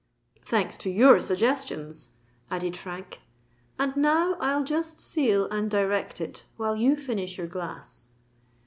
"Thanks to your suggestions," added Frank. "And now I'll just seal and direct it, while you finish your glass."